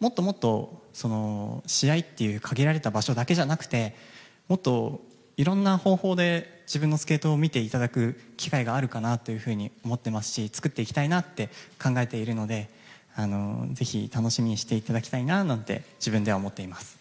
もっともっと試合という限られた場所だけじゃなくてもっといろんな方法で自分のスケートを見ていただく機会があるかなと思っていますし作っていきたいなって考えているのでぜひ、楽しみにしていただきたいなと自分では思っています。